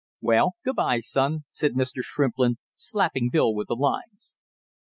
"Well, good by, son," said Mr. Shrimplin, slapping Bill with the lines.